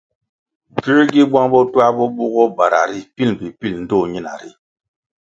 Puē gi bwang bo twā bo bugoh bara ri pil mbpi pil ndtoh ñina ri?